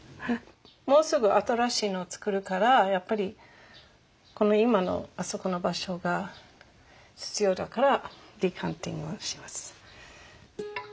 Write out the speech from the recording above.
もうすぐ新しいのをつくるからやっぱりこの今のあそこの場所が必要だからデカンティングをします。